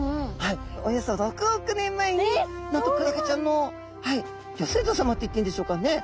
およそ６億年前になんとクラゲちゃんのギョ先祖さまっていっていいんでしょうかね。